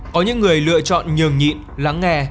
có những người lựa chọn nhường nhịn lắng nghe